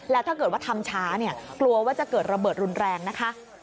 แล้วถ้าเกิดว่าทำช้าเนี่ยกลัวว่าจะเกิดระเบิดรุนแรงนะคะ